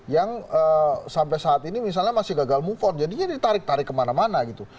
yang sampai saat ini misalnya masih gagal move on jadinya ditarik tarik kemana mana gitu